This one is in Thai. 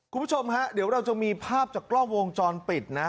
คุณผู้ชมฮะเดี๋ยวเราจะมีภาพจากกล้องวงจรปิดนะ